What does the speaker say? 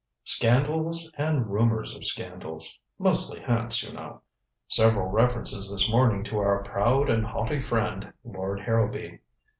"Scandals and rumors of scandals. Mostly hints, you know. Several references this morning to our proud and haughty friend, Lord Harrowby.